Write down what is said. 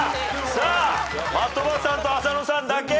さあ的場さんと浅野さんだけ。